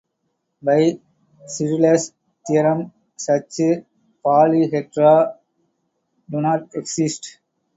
By Sydler's theorem, such polyhedra do not exist.